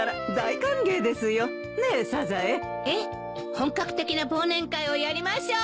本格的な忘年会をやりましょう！